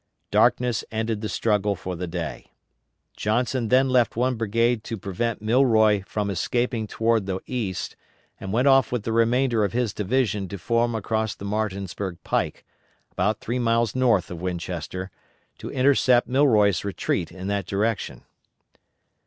Darkness ended the struggle for the day. Johnson then left one brigade to prevent Milroy from escaping toward the east and went off with the remainder of his division to form across the Martinsburg pike, about three miles north of Winchester, to intercept Milroy's retreat in that direction.